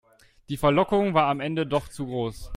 Die Verlockung war am Ende doch zu groß.